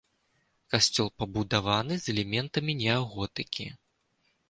Касцёл пабудаваны з элементамі неаготыкі.